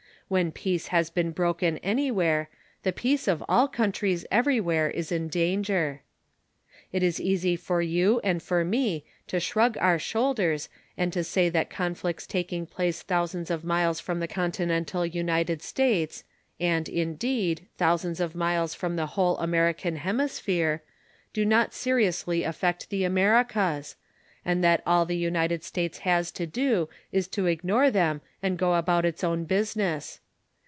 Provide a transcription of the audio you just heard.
When peace has been broken anywhere, the peace of all countries everywhere is in danger. It is easy for you and for me to shrug our shoulders and to say that conflicts taking place thousands of miles from the continental United States, and, indeed, thousands of miles from the whole American Hemisphere, do not seriously affect the Americas and that all the United States has to do is to ignore them and go about its own business.